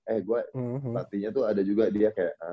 eh gue latihnya tuh ada juga dia kayak